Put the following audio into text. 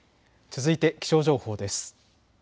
続いて気象情報です。